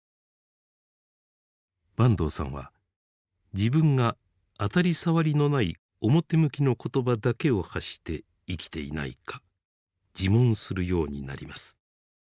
坂東さんは自分が当たり障りのない表向きの言葉だけを発して生きていないか自問するようになります。